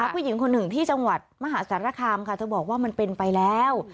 ผู้หญิงคนหนึ่งที่จังหวัดมหาสารคามค่ะเธอบอกว่ามันเป็นไปแล้ว